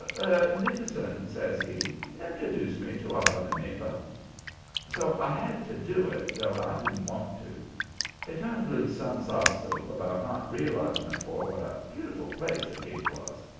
Er Nickerson,' says he, 'introduce me to our other neighbor.' "So I had to do it, though I didn't want to. He turned loose some soft soap about not realizing afore what a beautiful place the Cape was.